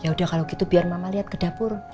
ya udah kalau gitu biar mama lihat ke dapur